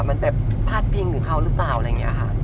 มันแบบพาดพิงถึงเขาหรือเปล่าอะไรอย่างนี้ค่ะ